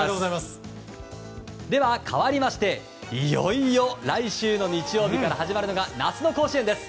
かわりましていよいよ来週の日曜日から始まるのが夏の甲子園です。